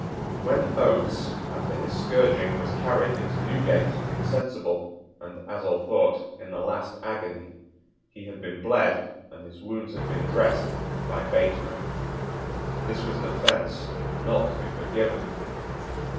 When Oates, after his scourging, was carried into Newgate insensible, and, as all thought, in the last agony, he had been bled and his wounds had been dressed by Bateman. This was an offence not to be forgiven.